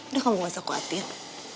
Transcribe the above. udah kamu gak usah khawatir